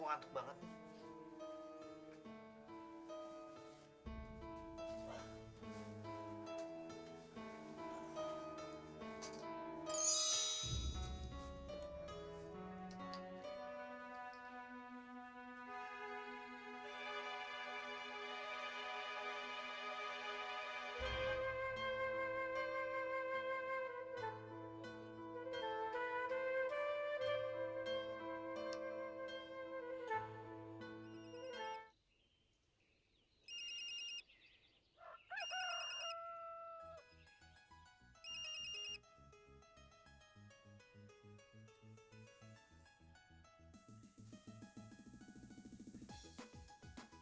udah makan tadi